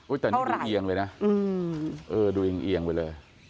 อุ้ยแต่นี่ดูอิงเอียงเลยนะเออดูอิงเอียงเลยเลย